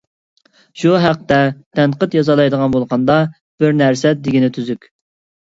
شۇ ھەقتە تەنقىد يازالايدىغان بولغاندا بىر نەرسە دېگىنى تۈزۈك.